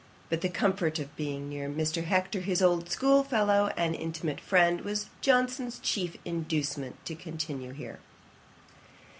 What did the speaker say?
But the comfort of being near Mr. Hector, his old school fellow and intimate friend, was Johnson's chief inducement to continue here.